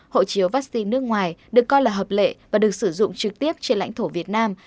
hộ chiếu vaccine nước ngoài được coi là hợp lệ và được sử dụng trực tiếp trên lãnh thổ việt nam